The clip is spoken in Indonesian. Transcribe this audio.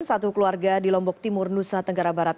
satu keluarga di lombok timur nusa tenggara barat